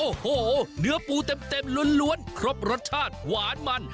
โอ้โหเนื้อปูเต็มล้วนครบรสชาติหวานมัน